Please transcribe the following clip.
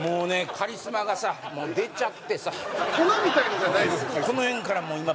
カリスマがさもう出ちゃってさ粉みたいのじゃないんすよ